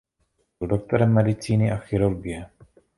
Byl doktorem medicíny a chirurgie.